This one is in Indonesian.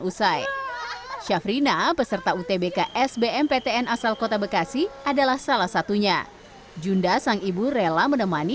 usai syafrina peserta utbk sbmptn asal kota bekasi adalah salah satunya junda sang ibu rela menemani